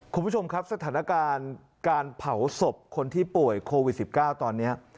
คุณผู้ชมครับสถานการณ์การเผาศพคนที่ป่วยโควิด๑๙ตอนนี้